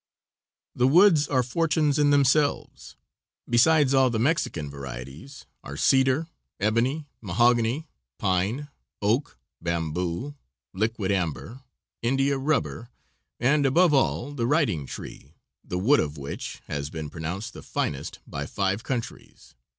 The woods are fortunes in themselves. Besides all the Mexican varieties are cedar, ebony, mahogany, pine, oak, bamboo, liquid amber, India rubber, and above all the writing tree, the wood of which has been pronounced the finest by five countries.